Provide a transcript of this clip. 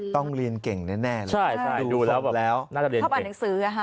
ต้องเรียนเก่งแน่ใช่ดูครบแล้วน่าจะเรียนเก่ง